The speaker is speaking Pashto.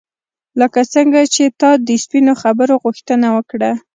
لکه څنګه چې تا د سپینو خبرو غوښتنه وکړه.